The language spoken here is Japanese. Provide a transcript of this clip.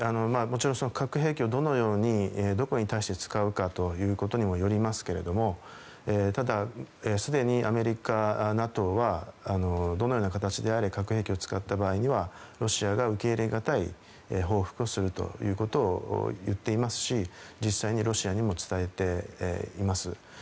核兵器をどのようにどこに対して使うということにもよりますけどただすでにアメリカ、ＮＡＴＯはどのような形であれ核兵器を使った場合はロシアが受け入れがたい報復をするということを言っていますし実際にロシアにも伝えています。